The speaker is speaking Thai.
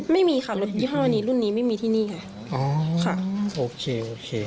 ไม่มีค่ะรถยี่ห้อนี้รุ่นนี้ไม่มีที่นี่ค่ะอ๋อค่ะโอเคโอเค